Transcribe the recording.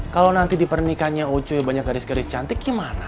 kalau nanti di pernikahannya ocoy banyak gadis gadis cantik gimana